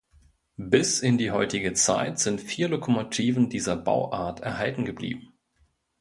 Bis in die heutige Zeit sind vier Lokomotiven dieser Bauart erhalten geblieben.